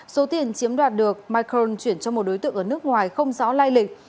số tiền chiếm đoạt được michael chuyển cho một đối tượng ở nước ngoài không rõ lai lịch